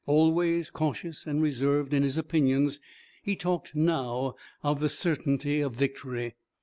Always cautious and reserved in his opinions, he talked now of the certainty of victory.